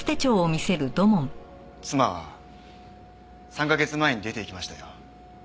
妻は３カ月前に出て行きましたよ。